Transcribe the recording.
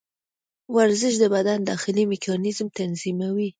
ورزش د بدن داخلي میکانیزم تنظیموي.